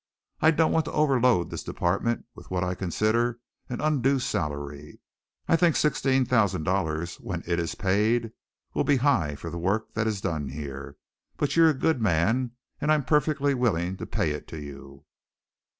I don't want to overload this department with what I consider an undue salary. I think sixteen thousand dollars, when it is paid, will be high for the work that is done here, but you're a good man and I'm perfectly willing to pay it to you.